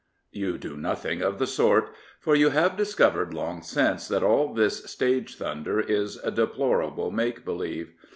You do nothing of the sort, for you have discovered long since that all this stage thunder is deplorable make believe.